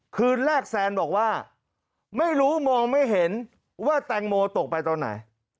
คืนแรกแซนบอกว่าไม่รู้มองไม่เห็นว่าแตงโมตกไปตอนไหน